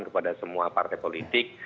kepada semua partai politik